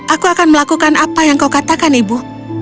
aku akan melakukan apa yang kau katakan ibu